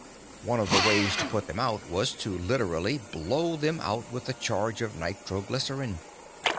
One of the ways to put them out was to literally blow them out with a charge of nitroglycerine.